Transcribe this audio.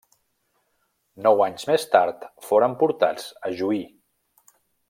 Nou anys més tard foren portats a juí.